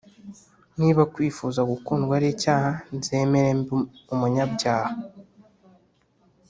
Niba kwifuza gukundwa ari icyaha nzemera mbe umunyabyaha